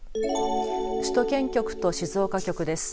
首都圏局と静岡局です。